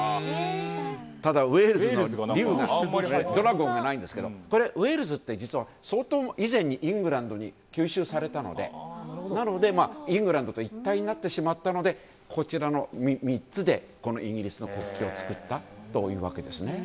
ただウェールズのドラゴンがないんですがウェールズって実は相当以前にイングランドに吸収されたのでイングランドと一体になってしまったのでこちらの３つでイギリスの国旗を作ったというわけです。